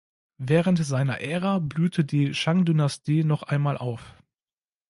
Während seiner Ära blühte die Shang-Dynastie noch einmal auf.